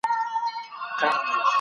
د لمر وړانګې سهار وختي ګټورې دي.